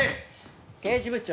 刑事部長。